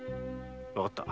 わかった。